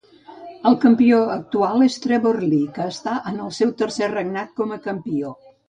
El campió actual és Trevor Lee, que està en el seu tercer regnat com a campió.